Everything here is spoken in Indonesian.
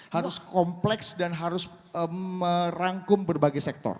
harus kompleks dan harus merangkum berbagai sektor